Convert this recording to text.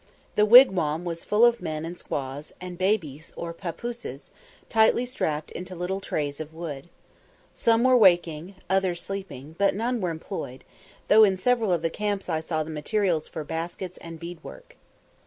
The wigwam was full of men and squaws, and babies, or "papooses," tightly strapped into little trays of wood. Some were waking, others sleeping, but none were employed, though in several of the camps I saw the materials for baskets and bead work.